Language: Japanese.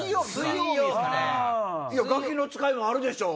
『ガキの使い』もあるでしょう